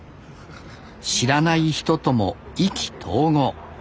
知らない人とも意気投合。